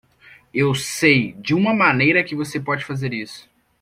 Eu sei de uma maneira que você pode fazer isso.